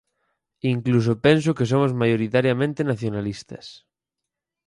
Incluso penso que somos maioritariamente nacionalistas.